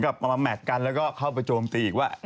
เอามาแมทกันแล้วก็เข้าไปโจมตีอีกว่า